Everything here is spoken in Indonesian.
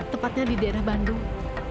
tepatnya di daerah bandung